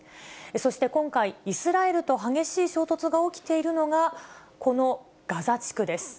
そして今回、イスラエルと激しい衝突が起きているのが、このガザ地区です。